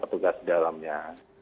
tidak ada kelalaian